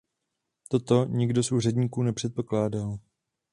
Toto nikdo z úředníků nepředpokládal.